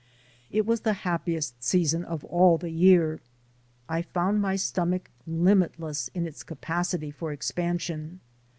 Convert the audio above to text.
It was the happiest season of all the year. I found my stomach limitless in its capacity for expansion.